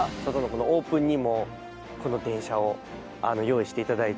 このオープンにもこの電車を用意していただいて